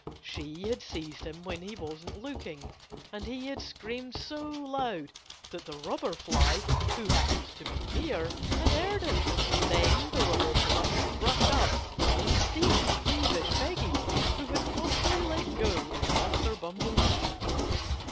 She had seized him when he wasn't looking. And he had screamed so loud that the Robber Fly who happened to be near had heard him. Then the Robber Fly had rushed up and seized Peevish Peggy, who had promptly let go of Buster Bumblebee.